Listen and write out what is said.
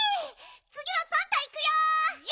つぎはパンタいくよ！